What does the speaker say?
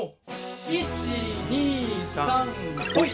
１２３ほい。